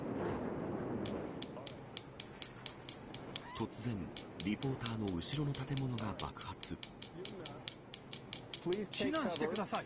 突然、リポーターの後ろの建避難してください。